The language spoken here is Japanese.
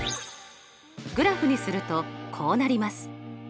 グラフにするとこうなります。